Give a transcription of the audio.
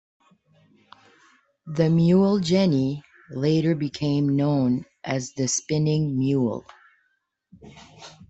The mule-jenny later became known as the spinning mule.